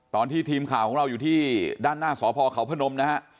ตอนที่ทีมข่าวของเราอยู่ที่ด้านหน้าสพเขาพนมนะฮะ